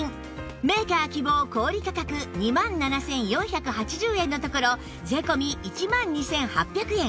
メーカー希望小売価格２万７４８０円のところ税込１万２８００円